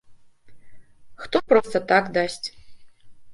Хто проста так дасць.